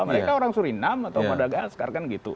mereka orang suriname atau madagaskar kan gitu